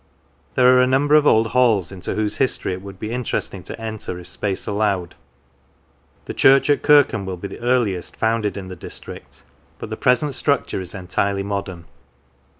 There are a number of old halls, into whose history it would be interesting to enter if space allowed. The church 224 The Fylde at Kirkham will be the earliest founded in the district, but the present structure is entirely modern.